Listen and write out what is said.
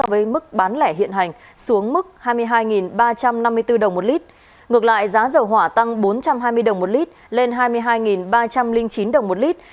với mức bán lẻ hiện hành xuống mức hai mươi hai ba trăm năm mươi bốn đồng một lít ngược lại giá dầu hỏa tăng bốn trăm hai mươi đồng một lít lên hai mươi hai ba trăm linh chín đồng một lít